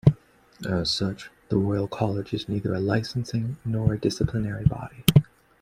As such, the Royal College is neither a licensing nor a disciplinary body.